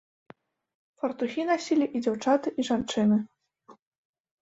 Фартухі насілі і дзяўчаты, і жанчыны.